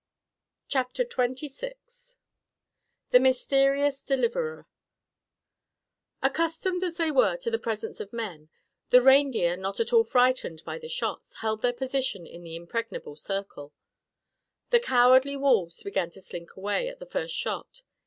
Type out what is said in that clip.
CHAPTER XXVI THE MYSTERIOUS DELIVERER Accustomed as they were to the presence of men, the reindeer, not at all frightened by the shots, held their position in the impregnable circle. The cowardly wolves began to slink away at the first shot.